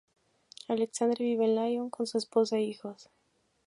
Alexandre vive en Lyon con su esposa e hijos.